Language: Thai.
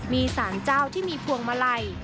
มีสารเจ้าที่มีพวงมาลัย